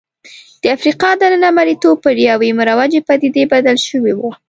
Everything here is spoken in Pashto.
د افریقا دننه مریتوب پر یوې مروجې پدیدې بدل شوی و.